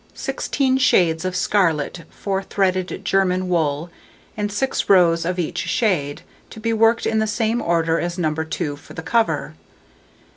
Sixteen shades of scarlet, four threaded German wool, and 6 rows of each shade, to be worked in the same order as No. 2, for the cover.